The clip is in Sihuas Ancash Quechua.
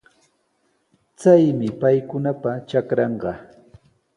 Chaymi paykunapa trakranqa.